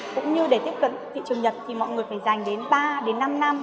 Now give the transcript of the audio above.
cũng như để tiếp cận thị trường nhật thì mọi người phải dành đến ba đến năm năm